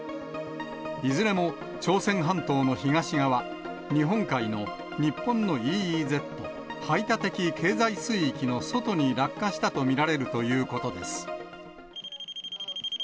いずれも朝鮮半島の東側、日本海の日本のＥＥＺ・排他的経済水域の外に落下したと見られるということです。